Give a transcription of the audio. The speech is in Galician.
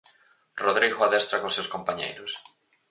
Rodrigo adestra cos seus compañeiros.